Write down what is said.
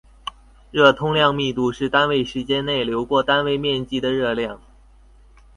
热通量密度是单位时间内流过单位面积的热量。